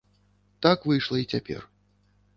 Так выйшла і цяпер.